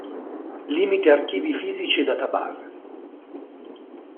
Limiti archivi fisici e database.